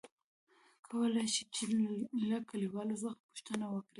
کولاى شې ،چې له کليوالو څخه پوښتنه وکړې ؟